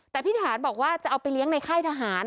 แต่พี่ทหารบอกว่าจะเอาไปเลี้ยงในค่ายทหาร